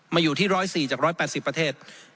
มาอยู่ที่๑๐๔จาก๑๘๐ประเทศ